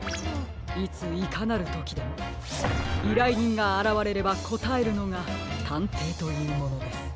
いついかなるときでもいらいにんがあらわれればこたえるのがたんていというものです。